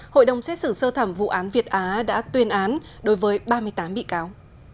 hội đồng xét xử sơ thẩm vụ án việt á đã tuyên án đối với ba mươi tám bị cáo